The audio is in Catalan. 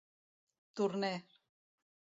Turner.